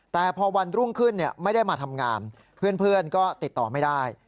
แต่พอวันรุ่งขึ้นไม่ได้มาทำงานเพื่อนก็ติดต่อไม่ได้